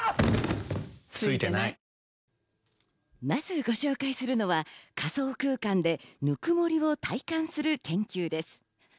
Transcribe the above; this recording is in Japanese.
まず、ご紹介するのは仮想空間で温もりを体感する研究です。